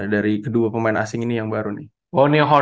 dari kedua pemain asing ini yang baru nih